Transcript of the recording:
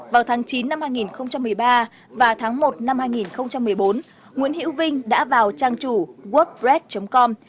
vào tháng chín năm hai nghìn một mươi ba và tháng một năm hai nghìn một mươi bốn nguyễn hữu vinh đã vào trang chủ workbrad com